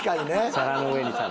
皿の上に皿。